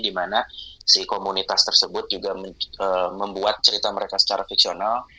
dimana si komunitas tersebut juga membuat cerita mereka secara fiksional